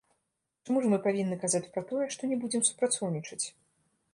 Чаму ж мы павінны казаць пра тое, што не будзем супрацоўнічаць?